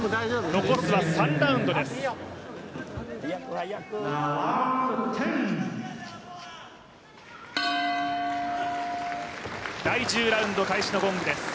残すは３ラウンドです。